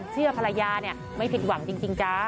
เชื่อภรรยาไม่ผิดหวังจริงจ้า